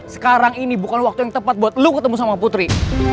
sekarang ini bukan waktu yang tepat buat lo ketemu sama putri